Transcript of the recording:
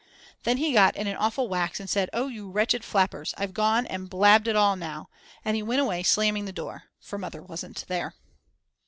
Then he got in an awful wax and said: O you wretched flappers, I've gone and blabbed it all now, and he went away slamming the door, for Mother wasn't there.